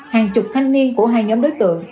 hàng chục thanh niên của hai nhóm đối tượng